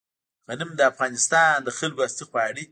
غنم د افغانستان د خلکو اصلي خواړه دي